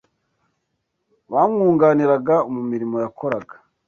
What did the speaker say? bamwunganiraga mu murimo yakoraga.